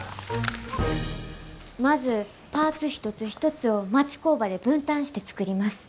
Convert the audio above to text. まずパーツ一つ一つを町工場で分担して作ります。